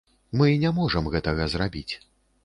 Мы не можам гэтага зрабіць.